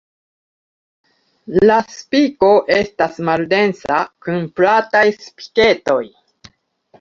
La spiko estas maldensa kun plataj spiketoj.